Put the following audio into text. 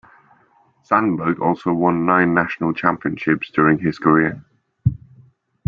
Sandberg also won nine national championships during his career.